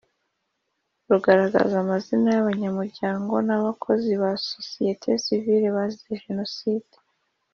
Rugaragaza amazina y abanyamuryango n abakozi ba sosiyete sivile bazize jenoside